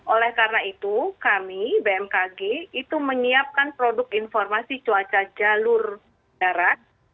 oleh karena itu kami bmkg itu menyiapkan produk informasi cuaca jalur darat